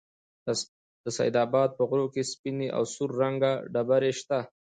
د سيدآباد په غرو كې سپينې او سور رنگه ډبرې شته